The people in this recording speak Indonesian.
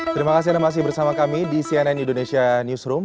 terima kasih anda masih bersama kami di cnn indonesia newsroom